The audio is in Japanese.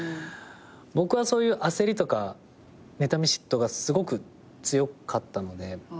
僕はそういう焦りとかねたみ嫉妬がすごく強かったので。